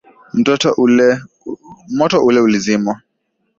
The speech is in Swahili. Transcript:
Moto ule ulizimwa.